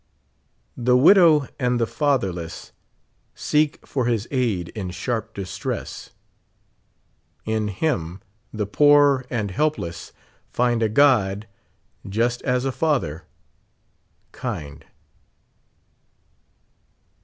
The widow and the fatherless, Seek for liis aid in sharp distress ; In him the poor and helpless find A God just as a father kind.